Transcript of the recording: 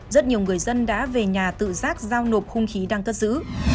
rất nhiều người dân đã về nhà tự giác giao nộp hung khí đang cất giữ